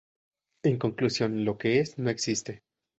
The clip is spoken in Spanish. En conclusión, lo que es no existe.